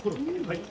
はい。